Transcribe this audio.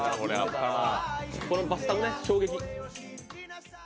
このバスタブね、衝撃。